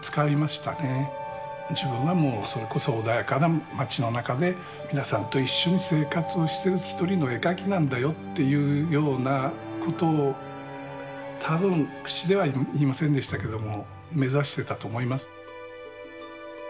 自分はそれこそ穏やかな町の中で皆さんと一緒に生活をしている一人の絵描きなんだよっていうようなことを多分口では言いませんでしたけれども目指してたと思います。